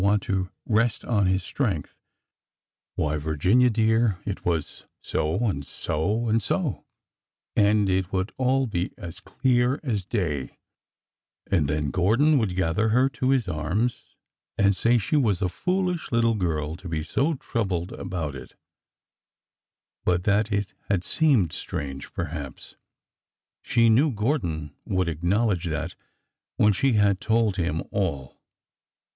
11 want to rest on his strength : Why, Virginia, dear, it was so — and so— and so — and it would all be as clear as day ; and then Gordon would gather her to his arms and say she was a foolish little girl to be so troubled about it, —but that it had seemed strange, perhaps,— she knew Gordon would acknowledge that when she had told him all.